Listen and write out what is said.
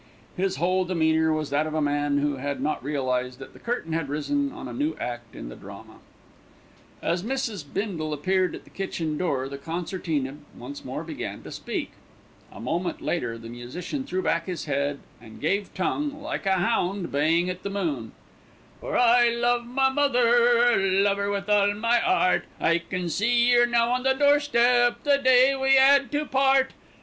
His whole demeanour was that of a man who had not yet realised that the curtain had risen upon a new act in the drama. As Mrs. Bindle appeared at the kitchen door, the concertina once more began to speak. A moment later the musician threw back his head and gave tongue, like a hound baying at the moon: For I love my mother, love 'er with all my 'eart, I can see 'er now on the doorstep, the day we 'ad to part.